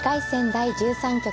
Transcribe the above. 第１３局。